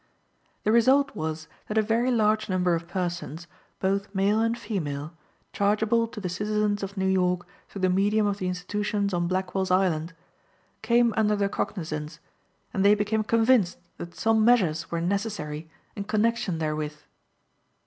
The result was that a very large number of persons, both male and female, chargeable to the citizens of New York through the medium of the institutions on Blackwell's Island, came under their cognizance, and they became convinced that some measures were necessary in connection therewith.